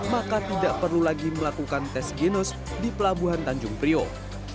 maka tidak perlu lagi melakukan tes genos di pelabuhan tanjung priok